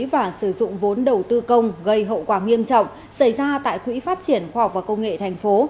và sử dụng vốn đầu tư công gây hậu quả nghiêm trọng xảy ra tại quỹ phát triển khoa học và công nghệ tp